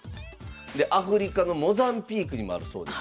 でアフリカのモザンビークにもあるそうです。